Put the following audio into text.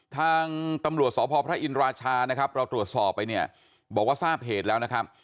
ทางตำรวจสพพระอินราชานะครับเราตรวจสอบไปเนี่ยบอกว่าทราบเหตุแล้วนะครับ